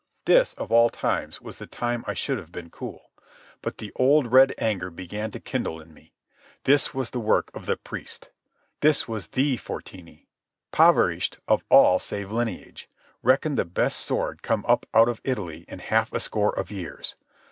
This, of all times, was the time I should have been cool. But the old red anger began to kindle in me. This was the work of the priest. This was the Fortini, poverished of all save lineage, reckoned the best sword come up out of Italy in half a score of years.